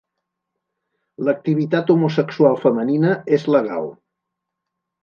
L'activitat homosexual femenina és legal.